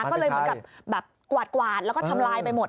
ก็เลยเหมือนกับแบบกวาดแล้วก็ทำลายไปหมด